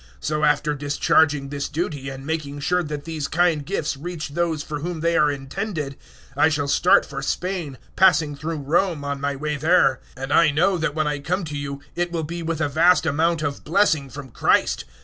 015:028 So after discharging this duty, and making sure that these kind gifts reach those for whom they are intended, I shall start for Spain, passing through Rome on my way there; 015:029 and I know that when I come to you it will be with a vast amount of blessing from Christ.